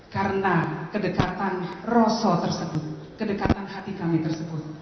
karena kedekatan rasa tersebut kedekatan hati kami tersebut